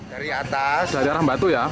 dari atas ada arang batu ya